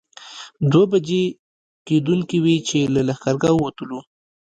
دوه بجې کېدونکې وې چې له لښکرګاه ووتلو.